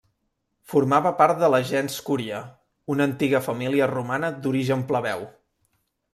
Formava part de la gens Cúria, una antiga família romana d'origen plebeu.